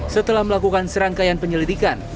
setelah melakukan serangkaian penyelidikan